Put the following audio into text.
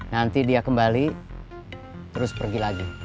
nanti dia kembali terus pergi lagi